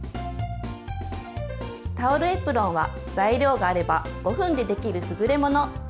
タオルエプロンは材料があれば５分でできる優れもの！